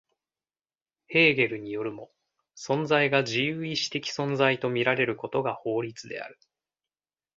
ヘーゲルによるも、存在が自由意志的存在と見られることが法律である。